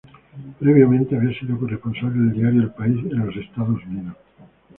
Previamente había sido corresponsal del diario El País en Estados Unidos.